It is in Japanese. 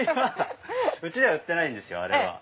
うちでは売ってないんですよ。